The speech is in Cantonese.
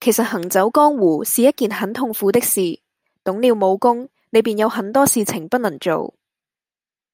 其實行走江湖是一件很痛苦的事，懂了武功，你便有很多事情不能做